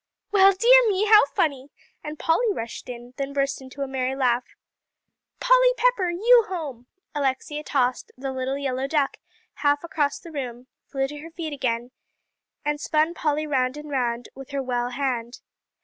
"Well, dear me, how funny!" and Polly rushed in; then burst into a merry laugh. "Polly Pepper you home!" Alexia tossed "The Little Yellow Duck" half across the room, flew to her feet again, and spun Polly round and round with her well hand.